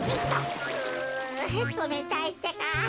うつめたいってか。